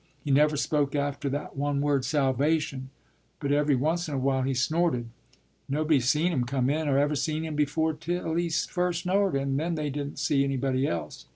He never spoke after that one word 'Salvation,' but every once in a while he snorted. Nobody seen him come in, or ever seen him before till he first snorted, and then they didn't see anybody else.